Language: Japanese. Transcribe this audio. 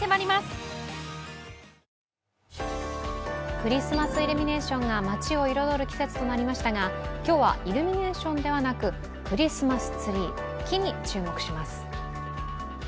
クリスマスイルミネーションが街を彩る季節となりましたが今日はイルミネーションではなくクリスマスツリー木に注目します。